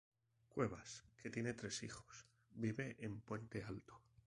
Cuevas, que tiene tres hijos, vive en Puente Alto.